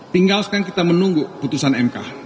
tinggal sekarang kita menunggu putusan mk